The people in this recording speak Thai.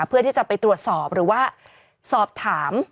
เพื่อที่จะไปตรวจสอบหรือว่าสอบถาม